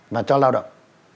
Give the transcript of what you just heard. và cho lao động